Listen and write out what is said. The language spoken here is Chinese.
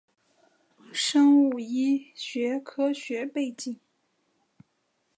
生物医学科学背景